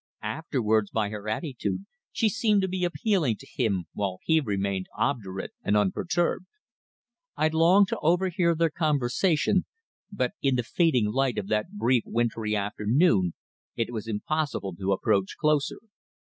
Afterwards by her attitude she seemed to be appealing to him, while he remained obdurate and unperturbed. I longed to overhear their conversation, but in the fading light of that brief wintry afternoon it was impossible to approach closer.